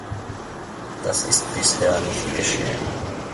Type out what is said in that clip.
Das ist bisher nicht geschehen.